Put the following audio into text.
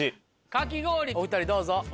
かき氷お２人どうぞ。